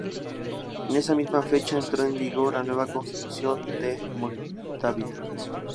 En esa misma fecha entró en vigor la nueva Constitución de Moldavia.